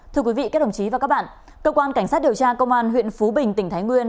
thưa quý vị các đồng chí và các bạn cơ quan cảnh sát điều tra công an huyện phú bình tỉnh thái nguyên